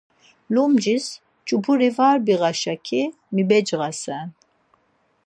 Lumcis ç̌uburi var biğa-şaki mibecğasen.